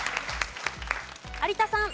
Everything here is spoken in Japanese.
有田さん。